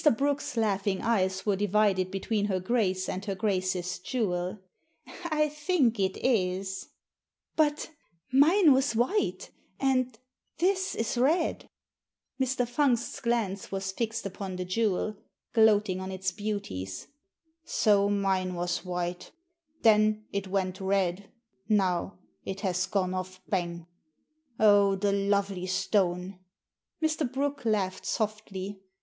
Brooke's laughing eyes were divided between her Grace and her Grace's jewel. " I think it is." Digitized by VjOOQIC 220 THE SEEN AND THE UNSEEN " But — mine was white, and — ^this is red" Mr. Fungst's glance was fixed upon the jewel, gloating on its beauties. " So mine was white. Then it went red. Now it has gone off bang! Oh, the lovely stone 1 " Mr. Brooke laughed softly.